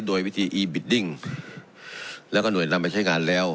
โดยวิธีอีบิดดิ้งแล้วก็หน่วยนำไปใช้งานแล้ว